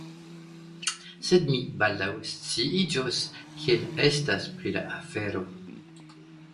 Sed mi baldaŭ sciiĝos, kiel estas pri la afero.